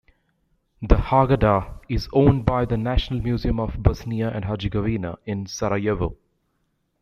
The Haggadah is owned by the National Museum of Bosnia and Herzegovina in Sarajevo.